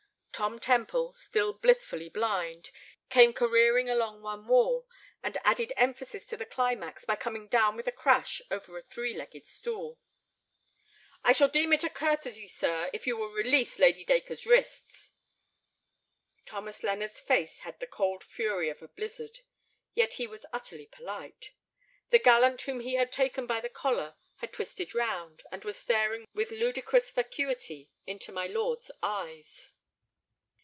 Tom Temple, still blissfully blind, came careering along one wall, and added emphasis to the climax by coming down with a crash over a three legged stool. "I shall deem it a curtesy, sir, if you will release Lady Dacre's wrists." Thomas Lennard's face had the cold fury of a blizzard. Yet he was utterly polite. The gallant whom he had taken by the collar had twisted round, and was staring with ludicrous vacuity into my lord's eyes.